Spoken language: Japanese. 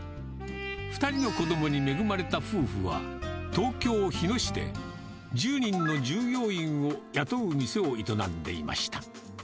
２人の子どもに恵まれた夫婦は、東京・日野市で、１０人の従業員を雇う店を営んでいました。